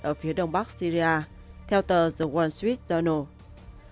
ở phía đông bắc syria theo tờ the wall street journal